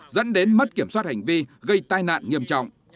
dẫn đến mất kiểm soát hành vi gây tai nạn nghiêm trọng